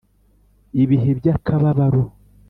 ibihe by'akababaro,